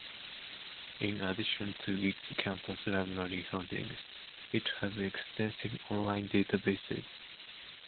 In addition to its campus library holdings, it has extensive online databases.